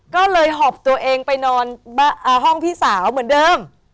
ก็เลยหอบตัวเองไปนอนห้องพี่สาวเหมือนเดิม